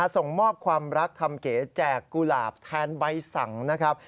ส่งมอบความรักทำเก๋แจกกุหลาบแทนใบสั่งนะครับ